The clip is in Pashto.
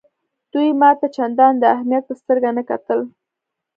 دوی ما ته چنداني د اهمیت په سترګه نه کتل.